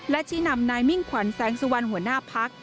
และชี้นำนายมิ่งขวัญแสงสุวรรณหัวหน้าพัก